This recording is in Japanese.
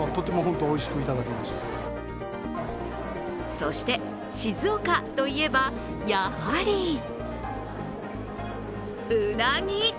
そして、静岡といえばやはりうなぎ。